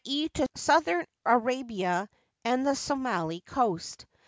e., to southern Arabia and the Somili coast.